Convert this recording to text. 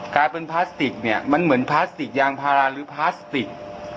กลายเป็นพลาสติกเนี่ยมันเหมือนพลาสติกยางพาราหรือพลาสติก